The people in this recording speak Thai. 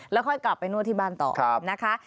แล้วค่อยกลับไปนวดที่บ้านต่อนะคะ